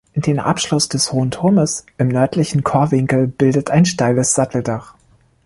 Den Abschluss des hohen Turmes im nördlichen Chorwinkel bildet ein steiles Satteldach.